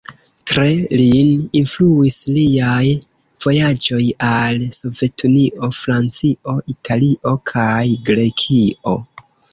Tre lin influis liaj vojaĝoj al Sovetunio, Francio, Italio kaj Grekio.